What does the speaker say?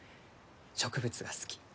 植物が好き。